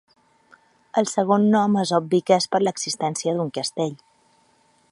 El segon nom és obvi que és per l'existència d'un castell.